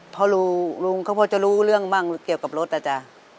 เพราะลุงก็พอจะรู้เรื่องบ้างเกี่ยวกับรถนะจ๊ะ